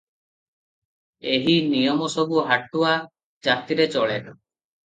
ଏହି ନିୟମ ସବୁ ହାଟୁଆ ଜାତିରେ ଚଳେ ।